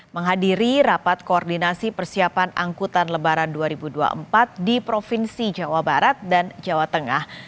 menghadiri rapat koordinasi persiapan angkutan lebaran dua ribu dua puluh empat di provinsi jawa barat dan jawa tengah